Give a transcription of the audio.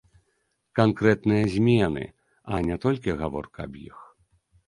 Канкрэтныя змены, а не толькі гаворка аб іх.